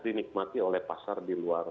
dinikmati oleh pasar di luar